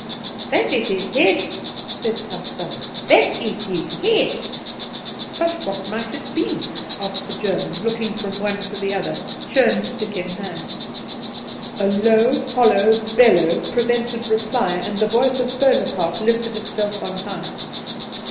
"That is his head," said Tant Sannie, "that is his head." "But what might it be?" asked the German, looking from one to the other, churn stick in hand. A low hollow bellow prevented reply, and the voice of Bonaparte lifted itself on high.